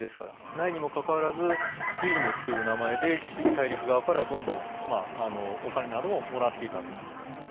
ないにもかかわらずビジネスという名前で大陸側からどんどんお金などももらっていたと。